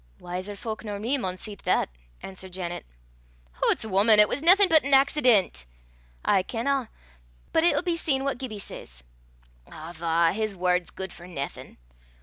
"Wiser fowk nor me maun see to that," answered Janet. "Hoots, wuman! it was naething but an accident." "I kenna; but it'll be seen what Gibbie says." "Awva! his word's guid for naething."